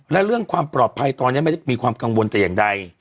และเรื่องความปลอดภัยตอนนี้ไม่ได้มีความกังวลแต่อย่างใด